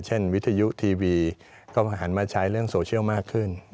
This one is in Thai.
วิทยุทีวีก็หันมาใช้เรื่องโซเชียลมากขึ้น